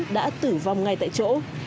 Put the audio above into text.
đã tử vong ngay tại chỗ